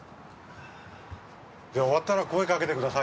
じゃ終わったら声かけてください。